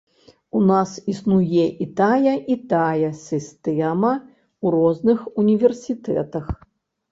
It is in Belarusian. У нас існуе і тая, і тая сістэма у розных універсітэтах.